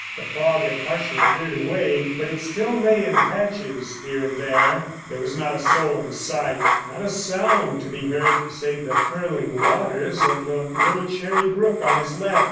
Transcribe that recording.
The fog had partially cleared away, but it still lay in patches here and there. There was not a soul in sight. Not a sound to be heard save the purling waters of the little Cherry Brook on his left.